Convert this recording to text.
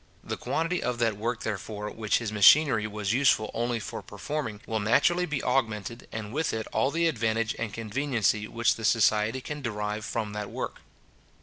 The quantity of that work, therefore, which his machinery was useful only for performing, will naturally be augmented, and with it all the advantage and conveniency which the society can derive from that work.